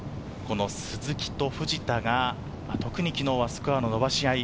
鈴木と藤田が、特に昨日はスコアの伸ばし合い。